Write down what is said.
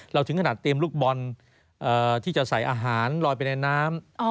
ถึงขนาดเตรียมลูกบอลที่จะใส่อาหารลอยไปในน้ำ